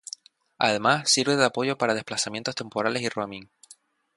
Además sirve de apoyo para desplazamientos temporales y roaming.